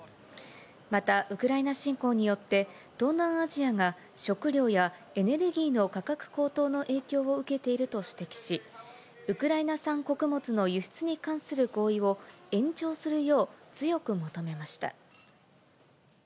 また、ウクライナ侵攻によって、東南アジアが食料やエネルギーの価格高騰の影響を受けていると指摘し、ウクライナ産穀物の輸出に関する合意を、延長するよう強く求めました。